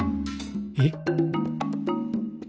えっ？